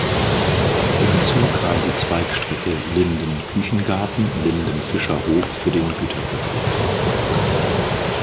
Hinzu kam die Zweigstrecke Linden Küchengarten–Linden-Fischerhof für den Güterverkehr.